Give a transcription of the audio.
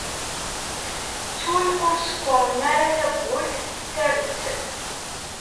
Ttun ur sekkṛen tawwurt s tsarut.